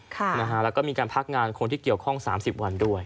แล้วก็มีการพักงานคนที่เกี่ยวข้อง๓๐วันด้วย